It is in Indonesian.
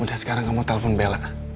udah sekarang kamu telpon bella